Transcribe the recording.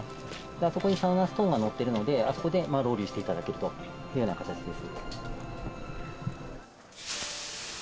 そこでサウナストーンが載っているので、あそこでロウリュしていただけるというような形です。